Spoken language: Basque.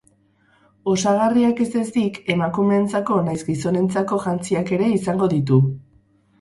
Osagarriak ez ezik, emakumeentzako nahiz gizonentzako jantziak ere izango ditu.